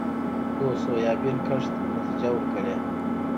د سویابین کښت نتیجه ورکړې